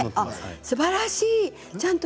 すばらしい。